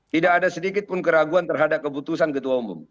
tidak ada sedikit pun keraguan terhadap keputusan ketua umum